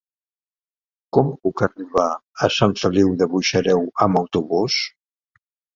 Com puc arribar a Sant Feliu de Buixalleu amb autobús?